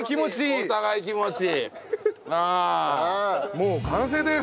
もう完成です。